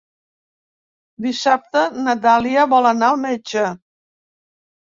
Dissabte na Dàlia vol anar al metge.